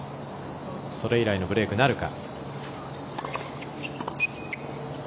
それ以来のブレークなるか。